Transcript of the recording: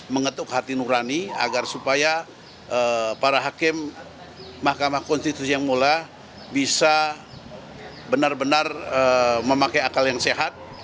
mengetuk hati nurani agar supaya para hakim mahkamah konstitusi yang mula bisa benar benar memakai akal yang sehat